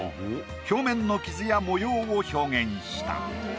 表面の傷や模様を表現した。